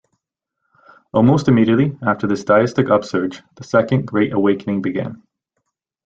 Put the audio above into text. Almost immediately after this deistic upsurge, the Second Great Awakening began.